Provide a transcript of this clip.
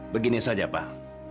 begini saja pak